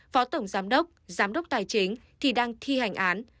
phó tổng giám đốc giám đốc tài chính thì đang thi hành án